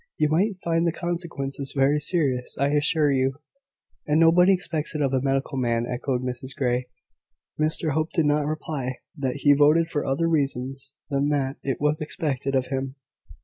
You might find the consequences very serious, I assure you." "And nobody expects it of a medical man," echoed Mrs Grey. Mr Hope did not reply, that he voted for other reasons than that it was expected of him.